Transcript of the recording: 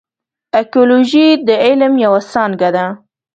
اکولوژي د علم یوه څانګه ده.